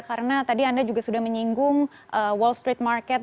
karena tadi anda juga sudah menyinggung wall street market